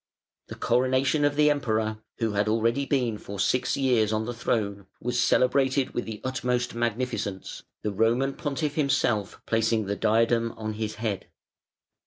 The coronation of the Emperor, who had already been for six years on the throne, was celebrated with the utmost magnificence, the Roman Pontiff himself placing the diadem on his head.